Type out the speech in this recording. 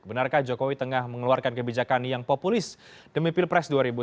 benarkah jokowi tengah mengeluarkan kebijakan yang populis demi pilpres dua ribu sembilan belas